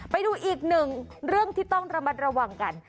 ไปดูอีกหนึ่งเรื่องที่ต้องระมัดระวังกัน